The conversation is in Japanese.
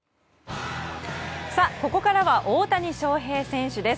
ここからは大谷翔平選手です。